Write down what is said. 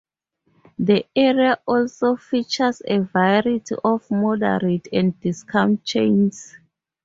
The area also features a variety of moderate and discount chains.